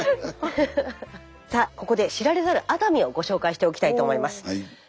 さあここで知られざる熱海をご紹介しておきたいと思います。